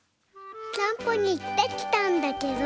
散歩にいってきたんだけど。